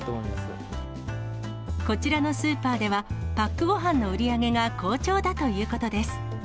こちらのスーパーでは、パックごはんの売り上げが好調だということです。